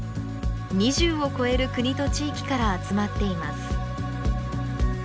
２０を超える国と地域から集まっています。